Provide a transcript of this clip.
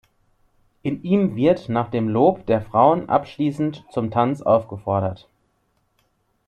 In ihm wird nach dem Lob der Frauen abschließend zum Tanz aufgefordert.